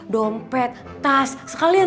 dompet tas sekalian